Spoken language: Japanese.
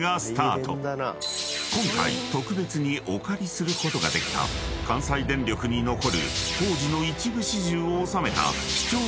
［今回特別にお借りすることができた関西電力に残る工事の一部始終を収めた］